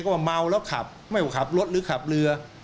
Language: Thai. ก็ว่าเมาแล้วขับไม่ว่าขับรถหรือขับเรือ